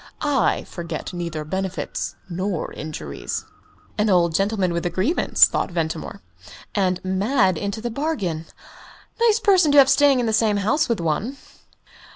I forget neither benefits nor injuries." "An old gentleman with a grievance," thought Ventimore. "And mad into the bargain. Nice person to have staying in the same house with one!"